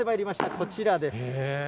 こちらです。